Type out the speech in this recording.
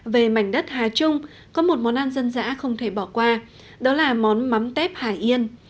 về mảnh đất hà trung có một món ăn dân dã không thể bỏ qua đó là món mắm tép hải yên